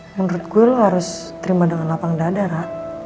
menurut gue lo harus terima dengan lapang dadara